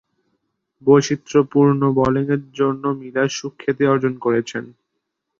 বৈচিত্রপূর্ণ বোলিংয়ের জন্যও মিলার সুখ্যাতি অর্জন করেছেন।